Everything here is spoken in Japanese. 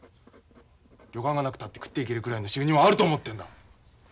旅館がなくたって食っていけるくらいの収入はあると思ってるんだ。